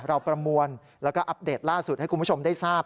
ประมวลแล้วก็อัปเดตล่าสุดให้คุณผู้ชมได้ทราบ